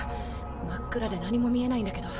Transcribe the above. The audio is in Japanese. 真っ暗で何も見えないんだけど。